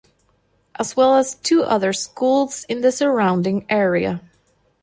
As well as two other schools in the surrounding area.